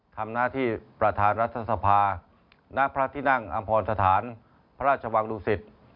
ทำหน้าที่ประธานรัฐสภาณพระที่นั่งอำพรสถานพระราชวังดุสิต